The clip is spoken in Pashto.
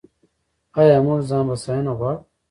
آیا موږ ځان بسیاینه غواړو؟